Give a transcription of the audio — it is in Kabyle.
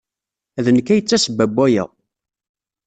D nekk ay d tasebba n waya.